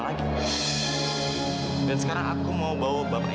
hentikan semua ini